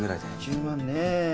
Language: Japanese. １０万ねえ。